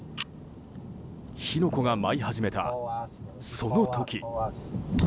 火の粉が舞い始めた、その時。